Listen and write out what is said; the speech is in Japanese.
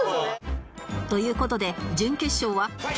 という事で準決勝は